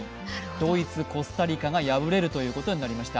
ドイツ、コスタリカが敗れるということになりました。